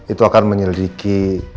itu akan menyelidiki